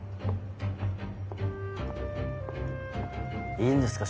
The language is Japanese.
いいんですか？